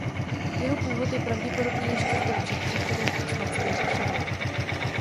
Jeho původ je pravděpodobně ještě z dob před příchodem Osmanské říše.